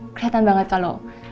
kelihatan banget kalau